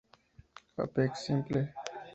Apex simple.